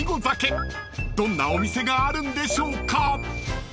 ［どんなお店があるんでしょうか］